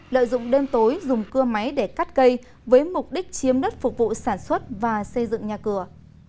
lợi dụng đêm tối dùng cưa máy để cắt cây với mục đích chiếm đất phục vụ sản xuất và xây dựng nhà cửa